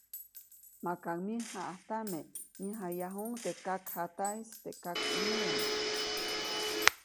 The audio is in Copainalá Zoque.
Maka myäjaʼajtame, näjayajuʼuŋ teʼ kaŋjataʼis teʼ kakʼuneʼdam.